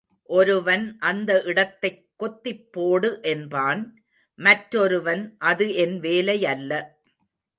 ஒருவன் அந்த இடத்தைக் கொத்திப்போடு என்பான், மற்றொருவன் அது என் வேலையல்ல.